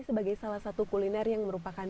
sebagai salah satu kuliner yang merupakan